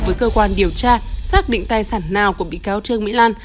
với cơ quan điều tra xác định tài sản nào của bị cáo trương mỹ lan